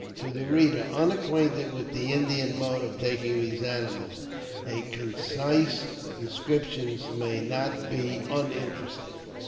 To the reader unacquainted with the Indian mode of taking these animals, a concise description may not be uninteresting.